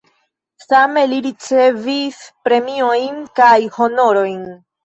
Same li ricevis premiojn kaj honorojn.